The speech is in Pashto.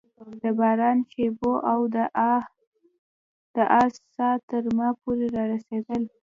د باران خوشبو او د آس ساه تر ما پورې رارسېدل.